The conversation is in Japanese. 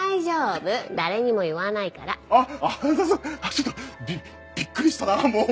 ちょっとびびっくりしたなあもう。